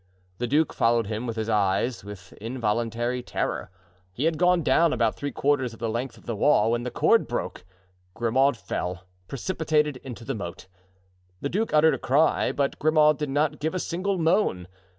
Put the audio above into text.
The duke followed him with his eyes, with involuntary terror. He had gone down about three quarters of the length of the wall when the cord broke. Grimaud fell—precipitated into the moat. The duke uttered a cry, but Grimaud did not give a single moan.